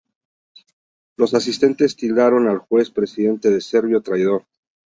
Los asistentes tildaron al juez presidente de "serbio traidor".